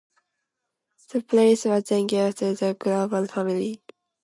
The palace was then given to the Glaoui family.